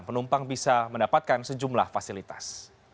penumpang bisa mendapatkan sejumlah fasilitas